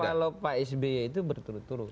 karena kalau pak sby itu berturut turut